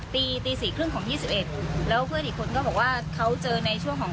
ตีตีสี่ครึ่งของยี่สิบเอ็ดแล้วเพื่อนอีกคนก็บอกว่าเขาเจอในช่วงของ